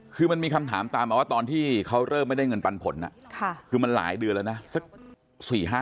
คือมันมีคำถามตามมาว่าตอนที่เขาเริ่มไม่ได้เงินปันผลคือมันหลายเดือนแล้วนะ